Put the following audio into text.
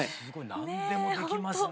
何でもできますね。